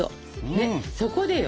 ねっそこでよ！